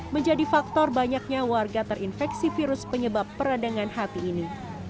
menjadi faktor banyaknya warga terinfeksi virus penyebab peradangan hati ini